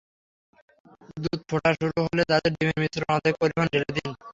দুধ ফোটা শুরু হলে তাতে ডিমের মিশ্রণ অর্ধেক পরিমাণ ঢেলে দিন।